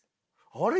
あれ？